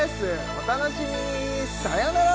お楽しみにさようなら